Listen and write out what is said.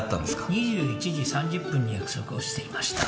２１時３０分に約束をしていました